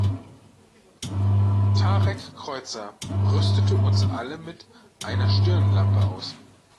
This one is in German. Tarek Kreuzer rüstete uns alle mit einer Stirnlampe aus.